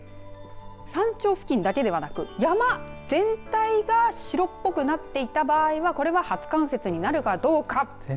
山頂付近だけではなく山全体が白っぽくなっていた場合はこれは初冠雪になるかどうか。